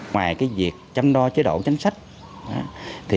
ngoài việc chăm đo chế độ chánh sách